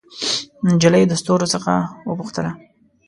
نجلۍ د ستورو څخه وپوښتله